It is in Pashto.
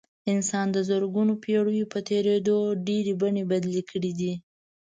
انسان د زرګونو پېړیو په تېرېدو ډېرې بڼې بدلې کړې دي.